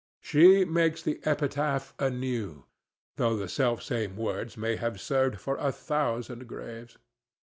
She makes the epitaph anew, though the selfsame words may have served for a thousand graves.